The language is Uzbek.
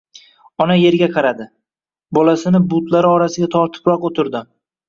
Ona yerga qaradi. Bolasini butlari orasiga tortibroq o‘tirdi.